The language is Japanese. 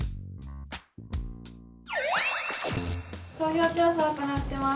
投票調査を行ってます。